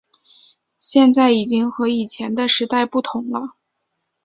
现在已经和以前的时代不同了